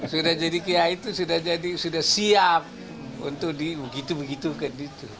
sudah jadi kiai itu sudah siap untuk dibegitukan